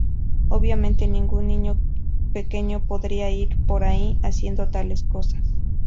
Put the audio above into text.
Obviamente ningún niño pequeño podría ir por ahí haciendo tales cosas.